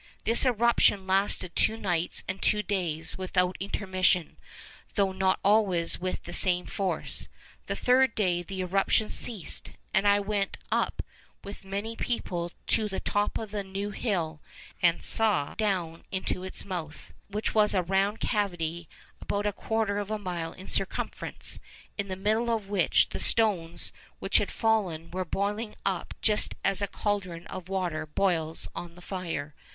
This eruption lasted two nights and two days without intermission, though not always with the same force; the third day the eruption ceased, and I went up with many people to the top of the new hill, and saw down into its mouth, which was a round cavity about a quarter of a mile in circumference, in the middle of which the stones which had fallen were boiling up just as a cauldron of water boils on the fire.